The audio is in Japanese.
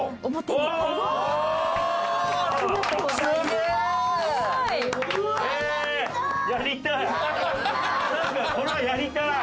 なんかこれはやりたい。